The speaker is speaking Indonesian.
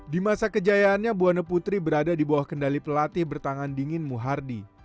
di masa kejayaannya buana putri berada di bawah kendali pelatih bertangan dingin muhardi